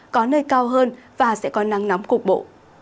có nơi cao hơn và sẽ có nắng nóng cục bộ